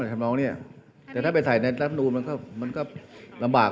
แต่ถ้าไปใส่ในดับนูมันก็ลำบาก